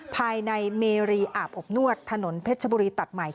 ภายในเมรีอาบอบนวดถนนเพชรชบุรีตัดใหม่